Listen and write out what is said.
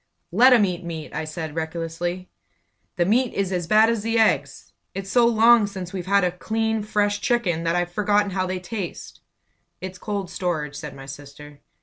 "Let 'em eat meat!" I said, recklessly. "The meat is as bad as the eggs! It's so long since we've had a clean, fresh chicken that I've forgotten how they taste!" "It's cold storage," said my sister.